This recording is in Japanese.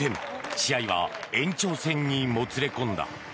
試合は延長戦にもつれ込んだ。